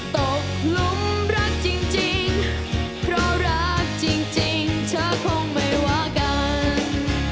ตกหลุมรักจริงเพราะรักจริงเธอคงไม่ว่ากัน